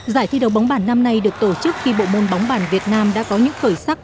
giải thi đấu bóng bản năm nay được tổ chức khi bộ môn bóng bàn việt nam đã có những khởi sắc